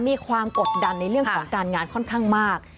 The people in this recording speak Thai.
มีความกดดันในเรื่องของการงานค่อนข้างมาก